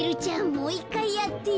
もういっかいやってよ。